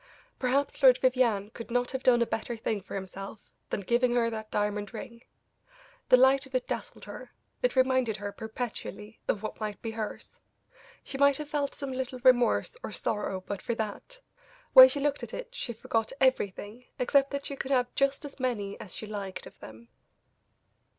Perhaps Lord Vivianne could not have done a better thing for himself than giving her that diamond ring; the light of it dazzled her; it reminded her, perpetually, of what might be hers; she might have felt some little remorse or sorrow but for that; when she looked at it she forgot everything except that she could have just as many as she liked of them.